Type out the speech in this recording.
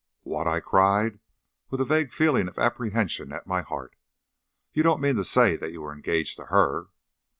"What!" I cried, with a vague feeling of apprehension at my heart. "You don't mean to say that you are engaged to her?"